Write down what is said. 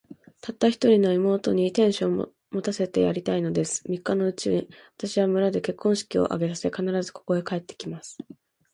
たった一人の妹に、亭主を持たせてやりたいのです。三日のうちに、私は村で結婚式を挙げさせ、必ず、ここへ帰って来ます。